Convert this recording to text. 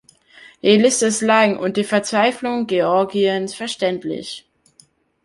Die Liste ist lang und die Verzweiflung Georgiens verständlich.